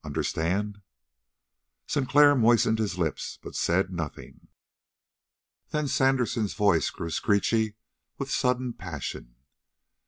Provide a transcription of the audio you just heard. Understand?" Sinclair moistened his lips, but said nothing. Then Sandersen's voice grew screechy with sudden passion.